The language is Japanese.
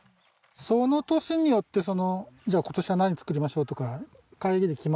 その年によってじゃあ今年は何作りましょうとか会議で決まるんで。